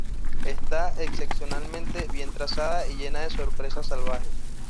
Está excepcionalmente bien trazada y llena de sorpresas salvajes.